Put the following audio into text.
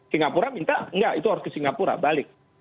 singapura minta enggak itu harus ke singapura balik